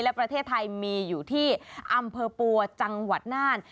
และประเทศไทยมีอยู่ที่อำเภอปัวจังหวัดน่าน